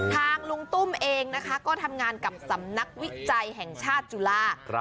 ลุงตุ้มเองนะคะก็ทำงานกับสำนักวิจัยแห่งชาติจุฬา